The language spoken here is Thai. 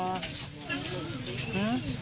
คุณสังเงียมต้องตายแล้วคุณสังเงียม